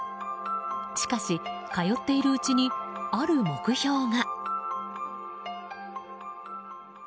しかし、通っているうちにある目標が。